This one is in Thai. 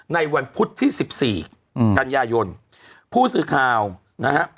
ในวันพุธที่๑๔กันยายนผู้สื่อข่าวนะฮะ